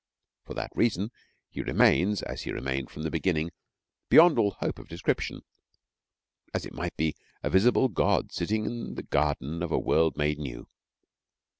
For that reason he remains, as he remained from the beginning, beyond all hope of description as it might be, a visible god sitting in the garden of a world made new.